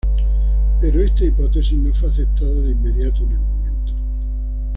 Pero esta hipótesis no fue aceptada de inmediato en el momento.